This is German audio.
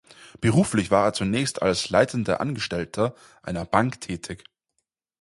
Beruflich war er zunächst als leitender Angestellter einer Bank tätig.